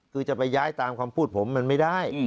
คือจะไปย้ายตามคำพูดผมมันไม่ได้